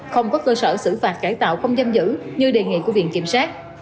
không có cơ sở xử phạt cải tạo không giam giữ như đề nghị của viện kiểm sát